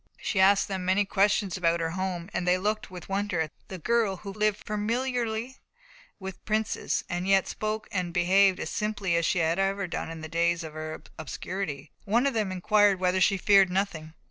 She asked them many questions about her home, and they looked with wonder at the girl who lived familiarly with princes, and yet spoke and behaved as simply as ever she had done in the days of her obscurity. One of them inquired whether she feared nothing.